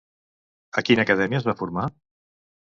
A quina acadèmia es va formar?